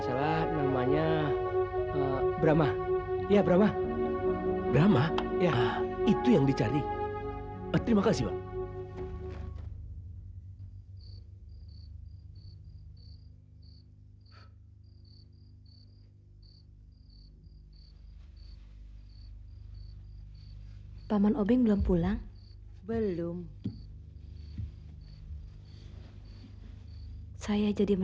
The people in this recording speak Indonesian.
saya tidak dapat hidup tanpa brahma